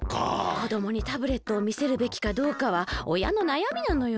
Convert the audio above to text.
こどもにタブレットをみせるべきかどうかはおやのなやみなのよ。